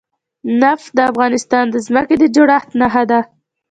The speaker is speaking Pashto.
نفت د افغانستان د ځمکې د جوړښت نښه ده.